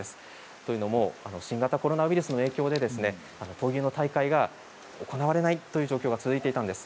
というのも新型コロナウイルスの影響で闘牛の大会が行われないという状況が続いたんです。